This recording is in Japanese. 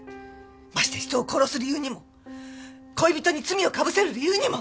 まして人を殺す理由にも恋人に罪をかぶせる理由にも。